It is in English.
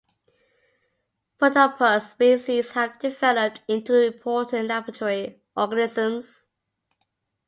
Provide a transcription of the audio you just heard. "Phodopus" species have developed into important laboratory organisms.